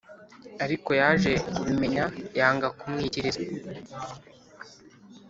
Ariko yaje kubimenya yanga kumwikiriza